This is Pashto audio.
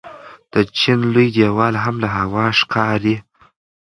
د چین لوی دیوال هم له هوا ښکاري.